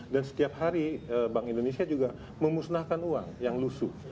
dan setiap hari bank indonesia juga memusnahkan uang yang lusuh